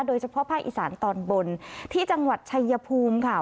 โดยเฉพาะภาคอีสานตอนบนที่จังหวัดชัยภูมิค่ะ